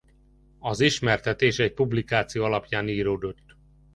Az ismertetés egy publikáció alapján íródott.